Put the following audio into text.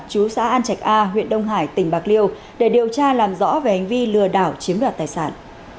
chú xã an trạch a huyện đông hải tỉnh bạc liêu để điều tra làm rõ về hành vi lừa đảo chiếm đoạt tài sản